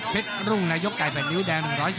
รุ่งนายกไก่๘นิ้วแดง๑๒